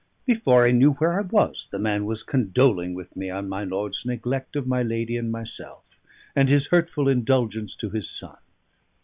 Before I knew where I was the man was condoling with me on my lord's neglect of my lady and myself, and his hurtful indulgence to his son.